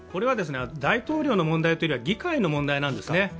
大統領の問題というよりは議会の問題なんですね。